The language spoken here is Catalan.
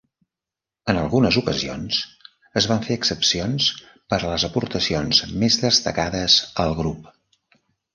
En algunes ocasions, es van fer excepcions per a les aportacions més destacades al grup.